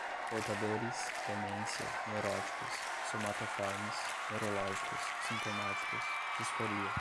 portadores, demência, neuróticos, somatoformes, neurológicos, sintomáticos, disforia